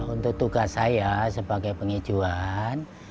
untuk tugas saya sebagai penghijuan